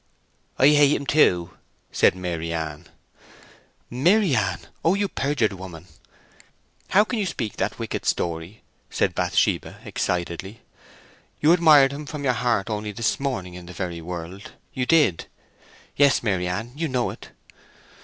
"I hate him too," said Maryann. "Maryann—Oh you perjured woman! How can you speak that wicked story!" said Bathsheba, excitedly. "You admired him from your heart only this morning in the very world, you did. Yes, Maryann, you know it!"